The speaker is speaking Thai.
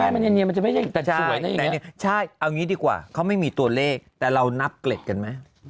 ใช่มันเนียนมันจะไม่ใช่แต่สวยนะใช่เอางี้ดีกว่าเขาไม่มีตัวเลขแต่เรานับเกล็ดกันไหม